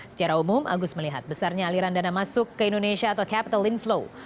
secara umum agus melihat besarnya aliran dana masuk ke indonesia atau capital inflow